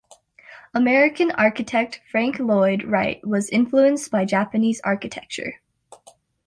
American architect Frank Lloyd Wright was influenced by Japanese architecture.